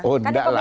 oh enggak lah